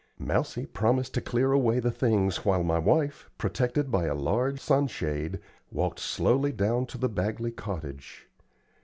Mousie promised to clear away the things while my wife, protected by a large sun shade, walked slowly down to the Bagley cottage.